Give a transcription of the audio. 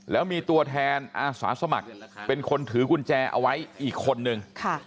แล้วมีตัวแทนอาสาสมัครเป็นคนถือกุญแจเอาไว้อีกคนนึง